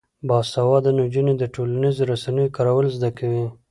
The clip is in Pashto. باسواده نجونې د ټولنیزو رسنیو کارول زده کوي.